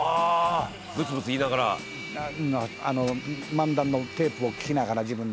「漫談のテープを聞きながら自分の」